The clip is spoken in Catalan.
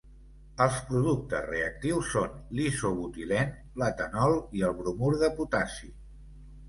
Els productes reactius són l'isobutilene, l'etanol i el bromur de potassi.